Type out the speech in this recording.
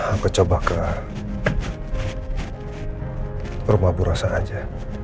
aku coba ke rumah burosa aja